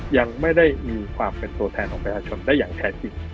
ยังไม่ได้มีความเป็นตัวแทนของประชาชนได้อย่างแท้จริง